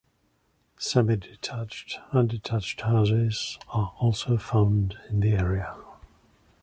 Semi-detached and detached houses are also found in the area.